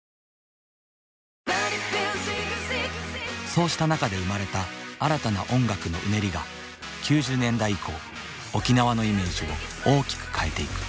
そうした中で生まれた新たな音楽のうねりが９０年代以降沖縄のイメージを大きく変えていく。